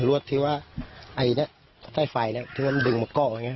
รวดที่ว่าไฟนี่ถึงมาก้องอย่างนี้